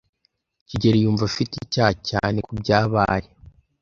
kigeli yumva afite icyaha cyane kubyabaye.